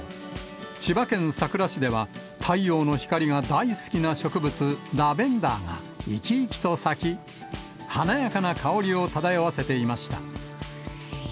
千葉県佐倉市では太陽の光が大好きな植物、ラベンダーが生き生きと咲き、華やかな香りを漂わせていました。